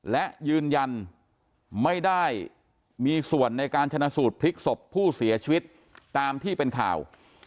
และยืนยันไม่ได้มีส่วนในการชนะสูตรพลิกศพผู้เสียชีวิตตามที่เป็นข่าว